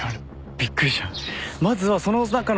びっくりした。